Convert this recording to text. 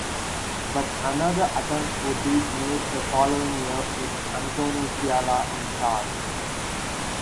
But another attempt would be made the following year with Anthony Fiala in charge.